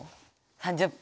３０分。